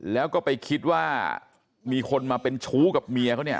แล้วก็ไปคิดว่ามีคนมาเป็นชู้กับเมียเขาเนี่ย